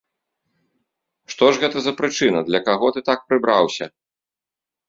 Што ж гэта за прычына, для каго ты так прыбраўся?